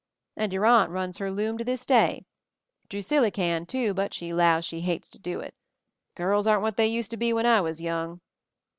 And your Aunt runs her loom to this day. Drusilly can, too, but she 'lows she hates to do it. Girls aren't what they used to be when I was young!"